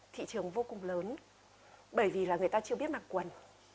thị trường vô cùng lớn bởi vì là người ta chưa biết mặc quần